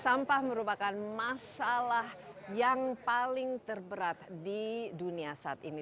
sampah merupakan masalah yang paling terberat di dunia saat ini